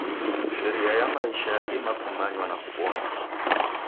Shekeria ya maisha yadima kumanywa na kubonywa.